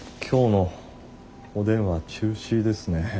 今日のおでんは中止ですね。